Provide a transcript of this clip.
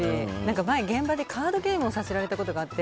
前、現場でカードゲームをさせられたことがあって。